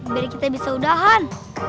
biar kita bisa udahan